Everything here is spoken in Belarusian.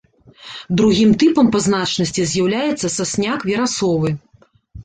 Другім тыпам па значнасці з'яўляецца сасняк верасовы.